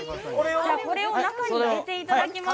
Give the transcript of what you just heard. これを中に入れていただきます。